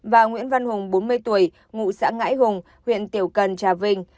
và nguyễn văn hùng bốn mươi tuổi ngụ xã ngãi hùng huyện tiểu cần trà vinh